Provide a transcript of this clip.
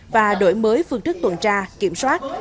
và đổi mới phương thức tuần tra kiểm soát